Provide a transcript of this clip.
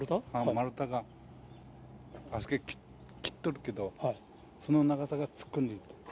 丸太が、あそこ切っとるけど、その長さが突っ込んでいった。